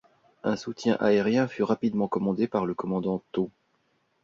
Un soutien aérien fut rapidement demandé par le commandant Tho.